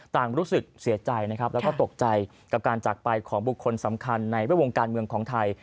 รู้สึกเสียใจนะครับแล้วก็ตกใจกับการจากไปของบุคคลสำคัญในแวดวงการเมืองของไทย